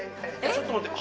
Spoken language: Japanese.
ちょっと待って。